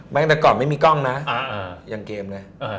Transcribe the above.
ตั้งแต่ก่อนไม่มีกล้องนะยังเกมเลย